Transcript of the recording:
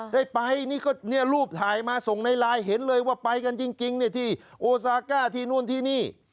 ได้ไปนี่ก็เนี่ยรูปถ่ายมาส่งในไลน์เห็นเลยว่าไปกันจริงที่โอซาก้าที่นู่นที่นี่